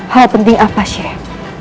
hal penting apa syekh